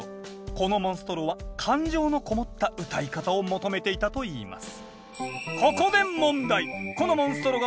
このモンストロは感情のこもった歌い方を求めていたといいます